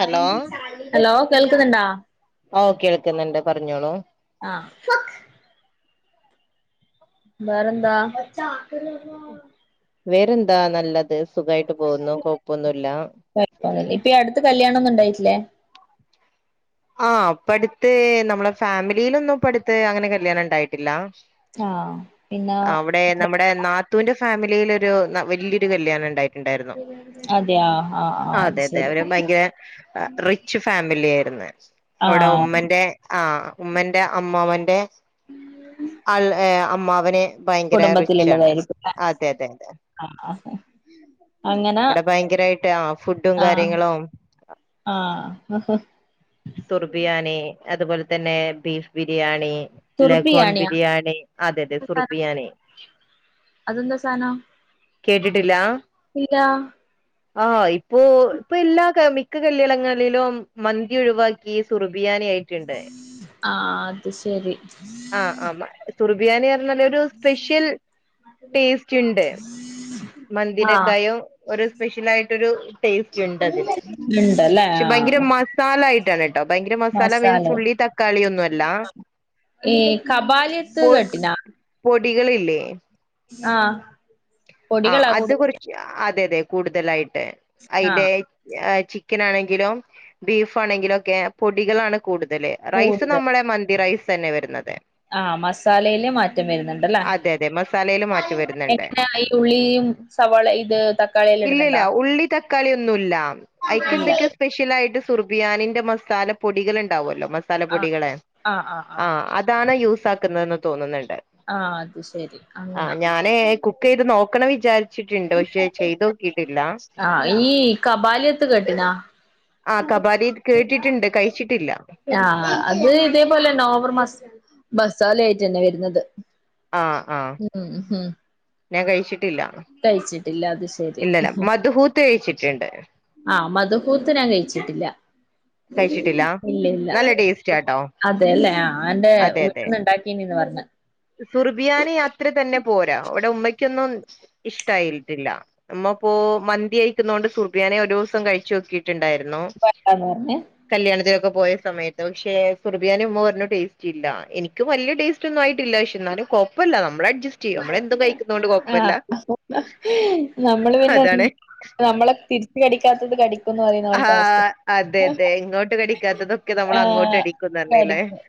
Hello [inaudible] hello കേൾക്കുന്നുണ്ടോ ഓ കേൾക്കുന്നുണ്ട് പറഞ്ഞോളൂ ആ വേറെന്താ വേറെന്താ നല്ലത് സുഖായിട്ട് പോകുന്നു കുഴപ്പൊന്നുല്ല പോയിറ്റില്ലേ ആ പ്പട്ത്ത് നമ്മളെ ഫാമിലീലൊന്നും പ്പട്ത്ത് അങ്ങനെ കല്യാണം ണ്ടായിട്ടില്ല ആ പിന്നാ ത്തൂൻ്റെ ഫാമിലിലൊര് ന വല്യൊരു കല്യാണം ണ്ടായ്രുന്നു ണ്ടായിരുന്നു അതെയ ആഹ് ആഹ് അത് അതെ അതെ ശരി അവര് ഭയങ്കര റിച്ച് ഫാമിലി ആയിരുന്നു [unintelligible] അവടെ ആഹ് ഉമ്മന്റെ ആ ഉമ്മന്റെ അമ്മാവൻറെ അൾ ഏ അമ്മാ അമ്മാവന് ഭയങ്കര റിച്ചാണ് കുടുംബത്തിലുള്ളതായിരിക്കും അതെ അതെ അതെ ആഹ് അങ്ങനെ അവടെ ഭയങ്കരായിട്ട് ആ ആഹ് ഫുഡുംകാര്യങ്ങളും ആഹ് സുറുബിയാനി അതുപോലെതന്നെ ബീഫ് ബിരിയാണി ലഗോൺ തുർബിയാണിയാ ബിരിയാണി അതെ അതെ സുറുബിയാനി അതെന്താ സാനം കേട്ടിട്ടില്ലാ ഇല്ല ആ ഇപ്പോ ഇപ്പൊ എല്ലാ കല്യാ മിക്ക കല്യാണങ്ങളിലും മന്തി ഒഴിവാക്കി ക്കി സുറുബി ബിയാനിയായിട്ട്ണ്ട് ആ അത് ശെരി. ആ ആ മ സുറുബിയാനി ടേസ്റ്റ് ഉണ്ട് ആഹ് മന്തിനെക്കായും ഒര് സ്പെഷ്യലായിട്ടൊരു ടേസ്റ്റ്ണ്ടതിന്. ഉണ്ടല്ലേ പക്ഷെ ഭയങ്കര ആഹ് മസാലായിട്ടാണ് ട്ടോ ഭയങ്കര മസാല മീൻസ് ഉള്ളി തക്കാളിയൊന്നല്ല ഈ കബാലിയത്ത് പൊ കേട്ടിനാ പൊടികളില്ലേ. ആ ആ അത് കുറച്ച് അതെ അതെ. കൂടുതലായി [unintelligible] ആ അയ്‌ന്റെ [unintelligible] ചിക്കനാണെങ്കിലും ബീഫാണെങ്കിലൊക്കെ പൊടികളാണ്. കൂടുതല് റൈസ് കൂടുതൽ നമ്മടെ മന്തി റൈസ്. തെന്നെ വെരുന്നത്. ആ മസാലയില് മാറ്റം വെരുന്ന്ണ്ടല്ലേ അതെ അതെ മസാലയിൽ മാറ്റം വരുന്നുണ്ട് എത്ര [unintelligible] ഇല്ലില്ല ഇടുന്നുണ്ടോ ഉള്ളി തക്കാളിയൊന്നുല്ല. അയിക്കെന്തൊക്കെയോ സ്പെഷ്യലായിട്ട് സുറുബ് ബിയാനിൻ്റെ മസാല പൊടികളുണ്ടാവല്ലോ. മസാല ആ പൊടികള് ആ അതാണ് യൂസ് ക്‌സാക്കുന്നത് എന്ന് തോന്നുന്നുണ്ട്. ആ അത് ശരി ആ അങ്ങനെ. ഞാന് കുക്ക് ചെയ്ത് നോക്കണം വിചാരിച്ചിട്ടുണ്ട് പക്ഷെ ചെയ്ത് നോക്കിട്ടില്ല ആ ഈ കബലിയത്തു കെട്ടിന ആ കബാലി കേട്ടിട്ടുണ്ട് കഴിച്ചിട്ടില്ല ആ അത്‌ ഇതേപോലെ നോർമൽ മാസാ മസാല പിന്നെ വരുന്നുണ്ട്. ആ ആ മ്മ് മ്മ് ഞാൻ കഴിച്ചി കഴിച്ചിട്ടില്ല അതു ശരി മധുഹൂത്ത് കഴിച്ചിട്ടുണ്ട് ആ മദ്ഹൂത് ഞാൻ കഴിച്ചിട്ട്ല്ല. മ്മ് കഴിച്ചിട്ടില്ല മ്മ് ഇല്ല ഇല്ല നല്ല ടേസ്റ്റ് ആട്ടോ അതെലെ ആ എന്റെ അതെ എന്റെ അതെ വീട്ടീന്ന് ഉണ്ടാക്കീന് ന്ന് പറഞ്ഞു. സുർബിയാനി അത്ര തന്നെ പോരാ ഇവിടെ ഉമ്മയ്ക്ക് ഒന്നും ഇഷ്ട്ടയായിട്ടില്ല. ഉമ്മ ഇപ്പൊ മന്തി കഴിക്കുന്നത് കൊണ്ട് സുർബിയാനി ഒരു ദിവസം കഴിച്ചു നോക്കിയിട്ടുണ്ടായിരു ന്നു. വേണ്ടാന്ന് പറഞ്ഞ് കല്യാണത്തിനൊക്കെ പോയ സമയത്തു, പക്ഷെ സുർബിയാനി ഉമ്മ പറഞ്ഞു ടേസ്റ്റ് ഇല്ല എനിക്കും വലിയ ടേസ്റ്റ്‌ ഒന്നും ആയി നമ്മള് എന്തും കഴിക്കുന്നോണ്ട് ആ കുഴപ്പല്ല നമ്മൾ പിന്നെ എൻ അതാണ് നമ്മളെ തിരിച്ചു കടിക്കാത്ത [unintelligible] ആ ആ അതെ അതെ ഇങ്ങോട്ട് കടിക്കാത്തതൊക്കെ നമ്മൾ അങ്ങോട്ട് ആഹ് കടിക്കും പറഞ്ഞീലെ. കടിക്കും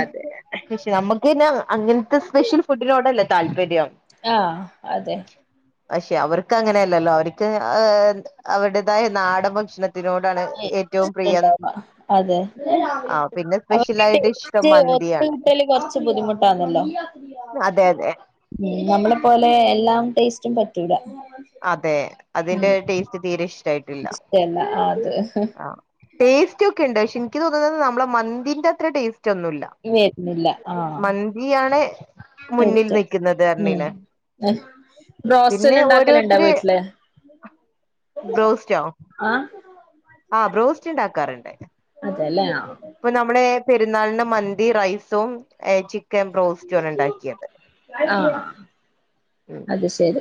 അതെ നമുക്ക് പിന്നെ അങ്ങനത്തെ സ്പെഷ്യൽ ഫുഡ്‌നോട് അല്ലെ താല്പര്യം? ആ അതെ ബക്ഷേ അവർക്ക് അങ്ങനെ അല്ലല്ലോ അവർക്ക് അവര്ടെതായ നാടൻ ഭ [unintelligible] അതെ ആ പിന്നെ സ്പെഷ്യൽ അവർക്ക് ആയിട്ട് ഇഷ്ടം ഡേറ്റ് മന്തിയാണ് ഒത്തുക്കിട്ടല് കുറിച്ച് ബുദ്ധിമുട്ടാണല്ലോ അതെ അതെ നമ്മളെ പോലെ എല്ലാം ടെസ്റ്റും പറ്റൂല അതെ ഉം അതിന്റെ ടെസ്റ്റ് തീരെ ഇഷ് ഷ്ട്ടായിട്ടില്ല ഇഷ്ടല്ല അത് ആ ടെസ്റ്റ് ഒ ക്ണ്ട് എനിക്ക് തോന്നുന്നത് നമ്മടെ മന്തിന്റെ അത്ര ടെസ് റ്റൊ ഒന്നുല്ല വരുന്നില്ല ആഹ് മന്തി ആണ് മുന്നിൽ വെക്ക്ന്നത് ഏറ്റവും അർഞ്ഞീല്ലേ ഉം പിന്നെ ബ്രോസ്റ്റല് ഒ [unintelligible] [unintelligible] വീട്ടില് ബ്രോസ്റ്റോ ആ ആ ബ്രോസ്റ്റ് ഇണ്ടാക്കാറ്ണ്ട് തെലെ പെരുന്നാളിന് മന്തി റൈസും ഹേ ചിക് ക്കൻ ബ്രോസ്റ്റും ആണ് ഇണ്ടാക്കിയത് ആ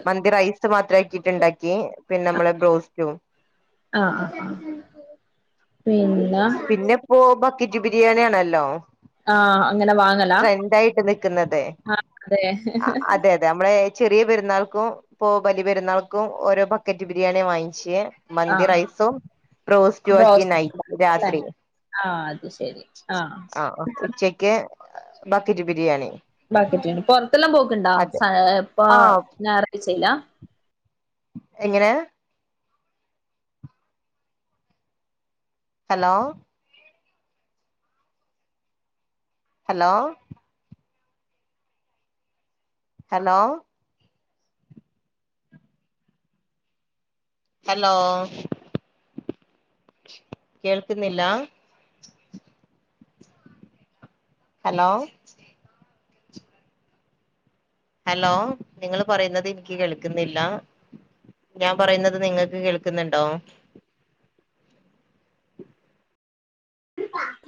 മന്തി റൈസ് മാത്രക്കിട്ടാ ഇണ്ടാക്കെ പിന്നെ മ്മളെ ബ്രോസ്റ്റും ആ ആ പിന്നെ പിന്നേപ്പോ [unintelligible] ബിരിയാണിയാണല്ലോ ആഹ് അങ്ങനെ വാങ്ങലാ രണ്ടായിട്ട് വെക്ന്നത് ആഹ് അതെ അതെ അതെ അമ്മളെ ചെറിയ പെരുന്നാൾക്കും പോ ബലി പെരുന്നാൾക്കും ഓരോ ബക്കറ്റ് ബിരിയാണി വാങ്ങിച്ചേ മന്തി ആഹ് റൈസും ബ്രോസ്റ്റ് [unintelligible] അല്ലെ [unintelligible] ആഹ് അത് ശരി ആഹ് ആ ഉച്ചക്ക് ബക്കറ്റ് ബിരിയാണി അതെ ആ [unintelligible] എങ്ങനെ ഹലോ ഹലോ ഹലോ ഹലോ കേൾക്ക്ന്നില്ലാ ഹലോ ഹലോ നിങ്ങള് പറയ്ന്നത് ഇൻക്ക് കേൾക്ന്നില്ല ഞാൻ പറയുന്നത് നിങ്ങക്ക് കേൾക്ന്നുണ്ടോ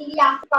ഇല്ല [unintelligible]